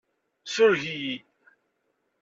Sureg-iyi.